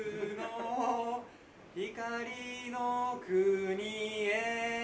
「光の国へ」